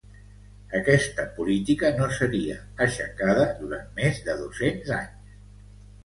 Aquesta política no seria aixecada durant més de dos-cents anys.